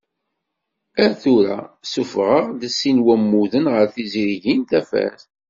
Ar tura, suffeɣeɣ-d sin n wammuden ɣer tezrigin Tafat.